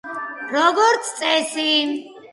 როგორც წესი.